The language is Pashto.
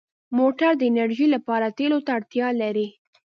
موټر د انرژۍ لپاره تېلو ته اړتیا لري.